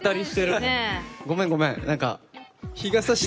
ごめんごめん。